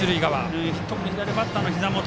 特に左バッターのひざ元。